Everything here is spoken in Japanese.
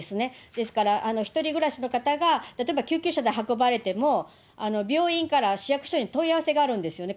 ですから、１人暮らしの方が例えば救急車で運ばれても、病院から市役所に問い合わせがあるんですよね。